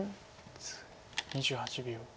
２８秒。